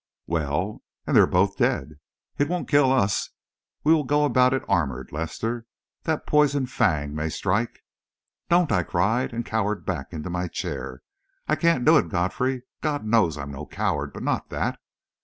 "Well?" "And they're both dead!" "It won't kill us. We will go about it armoured, Lester. That poisoned fang may strike " "Don't!" I cried, and cowered back into my chair. "I I can't do it, Godfrey. God knows, I'm no coward but not that!"